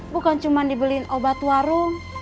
bukan cuma dibeliin obat warung